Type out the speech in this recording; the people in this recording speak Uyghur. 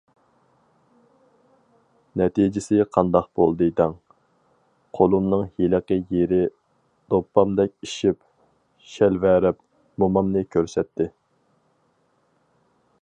نەتىجىسى قانداق بولدى دەڭ؟ قولۇمنىڭ ھېلىقى يېرى دوپپامدەك ئىششىپ، شەلۋەرەپ، مومامنى كۆرسەتتى.